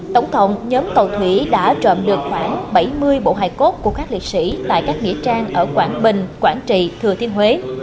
tổng thống nhóm cầu thủy đã trợn được khoảng bảy mươi bộ hải cốt của các liệt sĩ tại các nghĩa trang ở quảng bình quảng trị thừa thiên huế